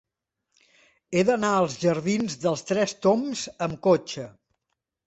He d'anar als jardins dels Tres Tombs amb cotxe.